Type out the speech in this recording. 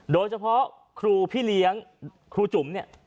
โดยเฉพาะครูพี่เลี้ยงครูจุ๋มเนี่ย